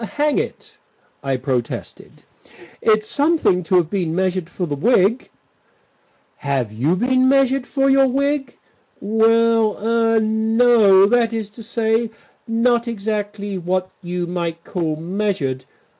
"Hang it," I protested, "it's something to have been measured for the wig." "Have you been measured for your wig?" "Well er no. That is to say, not exactly what you might call measured.